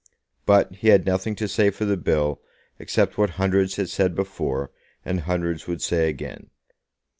But he had nothing to say for the bill except what hundreds had said before, and hundreds would say again.